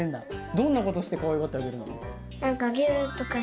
どんなことをしてかわいがってあげるの？